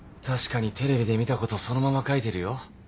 確かにテレビで見たことそのまま書いてるよ？